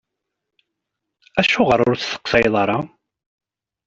Acuɣer ur d-testeqsayeḍ ara?